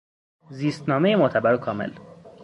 زیستنامهی معتبر و کامل